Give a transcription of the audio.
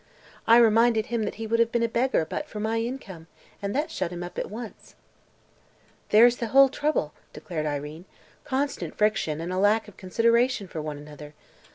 I reminded him he would have been a beggar, but for my income, and that shut him up at once." "There's the whole trouble," declared Irene. "Constant friction and a lack of consideration for one another.